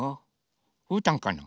うーたんかな？